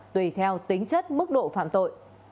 tùy theo tính chất mức độ phạm tội